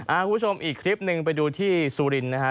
อ่าคุณผู้ชมอีกคลิปนึงไปดูที่สูรินนะฮะ